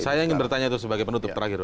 saya ingin bertanya itu sebagai penutup terakhir